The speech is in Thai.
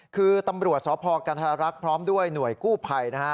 คือตำรวจสพกันธรรักษ์พร้อมด้วยหน่วยกู้ภัยนะฮะ